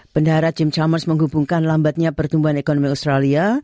pendahara jim chalmers menghubungkan lambatnya pertumbuhan ekonomi australia